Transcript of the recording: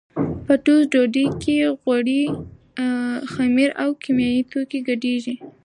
په ټوسټ ډوډۍ کې غوړي، خمیر او کیمیاوي توکي ګډېږي.